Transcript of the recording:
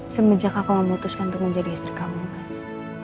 semenjak aku memutuskan untuk menjadi istri kamu kan